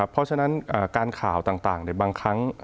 เพราะฉะนั้นการข่าวต่างในบางครั้ง